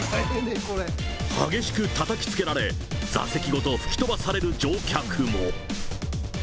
激しくたたきつけられ、座席ごと吹き飛ばされる乗客も。